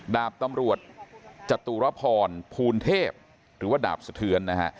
ดาบตำรวจจตุรพรภูนเทพหรือว่าดาบสะเทือนนะฮะ